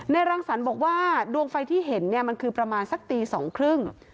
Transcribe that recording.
รังสรรค์บอกว่าดวงไฟที่เห็นเนี่ยมันคือประมาณสักตีสองครึ่ง